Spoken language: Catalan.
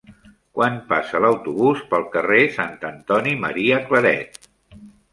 Quan passa l'autobús pel carrer Sant Antoni Maria Claret?